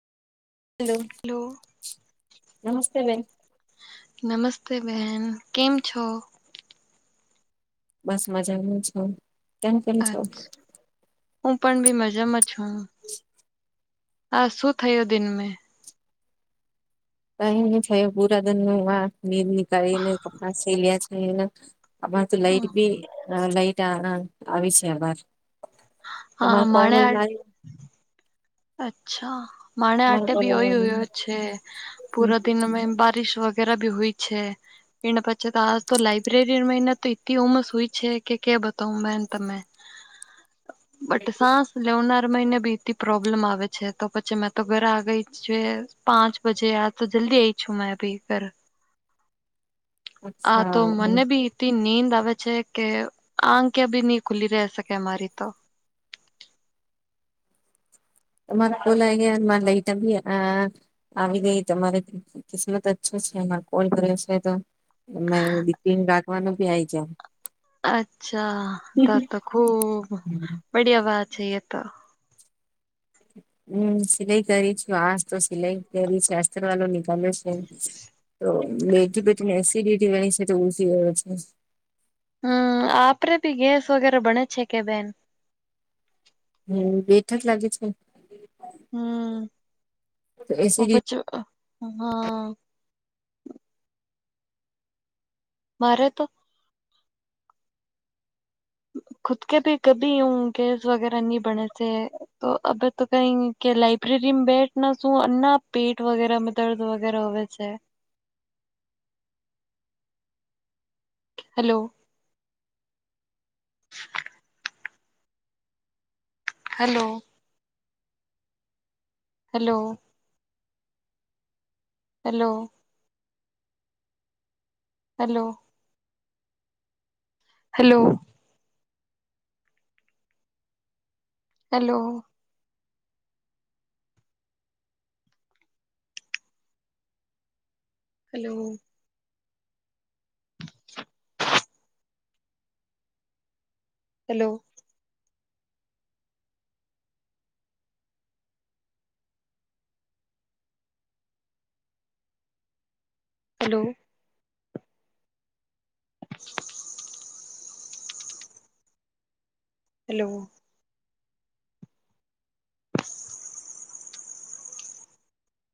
Hello નમસ્તે બેન. નમસ્તે બેન કેમ છો? બસ મજામાં છું. કેમ કેમ છો અછ હું પણ બી મજામાં છું. હા શું થયો દિન મે. કઈ થયું પુરાદિન વા નીર નીકાલીને કપડા સીલ્યા છેના. અમાર તો લાઈટ બી લાઈટ આવી છે આબાર હા તમાર કોર માણે મોલ નાય અચ્છા! માણે તમાર અટ્ટે કોલ ભી ઓ હી હોયો છે પૂરા દિનમે બારિશ વગેરા ભી હુઈ છે એ પછે તો આજ તો લાઈબ્રેરી મેઇના તો ઈત્તિ ઉમસ હુઈ છે કે કે બતાવું બેન તમે બટ સાસ લેવના હર મહિને બી પી પ્રો લમ આવે છે તો પછી મેં તો ઘરે આ ગઈ છે પાંચ બજે આજ તો જલ્દી આઈ છું મે ભી ઘર આ અચ્છા તો મને બી નીંદ આવે છે કે આંક્યા બી ની ખુલી રહે શકે મારી તો. [unintelligible] આવી ગઈ તમારે કિસ્મત અચ્છો છે એમાં કોલ કર્યો છે તો નય બિપીન રાગવાનું ભી આઇ જાય. અચ્છા તો તો ખુબ બડિયા વાત હે એ તો. હમ્મ સિલાઈ કરી છું. હાજ તો સિલાઈ કરી છે અસ્ત્રવાળો નીક ચલે છે તો બેગી પટને એસિડિટી વની છે તો ઉી ગયો છે. હમ આપપરેે ભી ગેસ વગેરે બણે છે કે બેન? હમ બેઠક લાગે છે ને. હમ એ સી ડી ટી જમવા હા મારે તો ખુદ કે ભી કદી હું ગેસ વગેરાની બને છે. તો અ તો કઈ કે લાઈબ્રેરીમાં બેઠ ના શું ના પેટ વગેરે. દર્દ વગેરે હોવે છે. Hello! Hello? Hello, hello. Hello, hello, hello, hello. Hello! Hello! Hello!